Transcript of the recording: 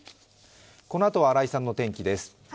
このあとは新井さんの天気です。